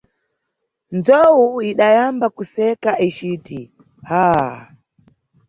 Nzowu idayamba kuseka icit, ah!